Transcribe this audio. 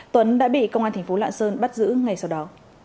tuấn đã bị công an tp lạng sơn bắt giữ ngày sau đó